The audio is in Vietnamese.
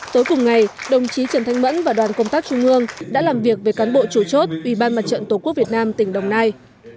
tối cùng ngày đồng chí trần thanh mẫn và đoàn công tác trung ương đã làm việc về cán bộ chủ chốt ubnd tổ quốc việt nam tỉnh đồng nai